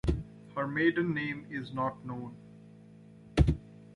Her maiden name is not known.